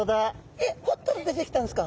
えっ掘ったら出てきたんですか？